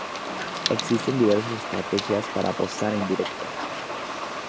Existen diversas estrategias para apostar en directo.